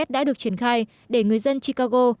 tổng z đã được triển khai để người dân chicago